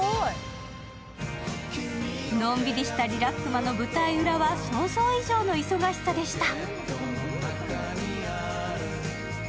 のんびりしたリラックマの舞台裏は想像以上の忙しさでした。